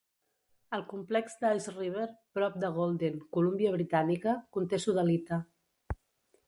El complex d'Ice River, prop de Golden, Colúmbia britànica, conté sodalita.